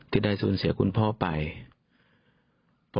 ที่ทำได้สนเสียและปรอบการคุณพ่อไป